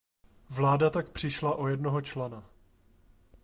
Vláda tak přišla o jednoho člena.